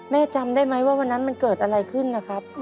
จำได้ไหมว่าวันนั้นมันเกิดอะไรขึ้นนะครับ